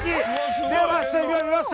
出ました！